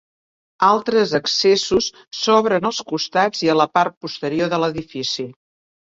Altres accessos s'obren als costats i a la part posterior de l'edifici.